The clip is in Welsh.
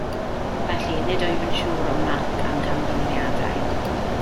Felly, nid wyf yn siŵr o'm marc a'm camgymeriadau